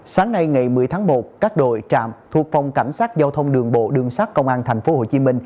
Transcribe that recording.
sáng nay ngày một mươi tháng một các đội trạm thuộc phòng cảnh sát giao thông đường bộ đường sát công an tp hcm